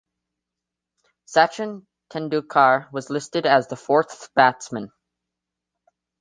Sachin Tendulkar was listed as the fourth batsman.